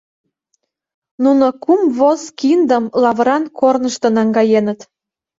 Нуно кум воз киндым лавыран корнышто наҥгаеныт.